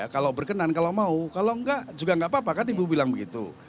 kalau berkenan kalau mau kalau enggak juga enggak apa apa kan ibu bilang begitu